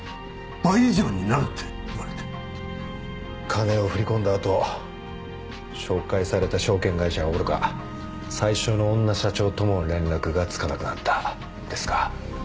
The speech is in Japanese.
金を振り込んだあと紹介された証券会社はおろか最初の女社長とも連絡がつかなくなったですか。